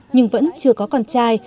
nhưng vẫn chưa có con trai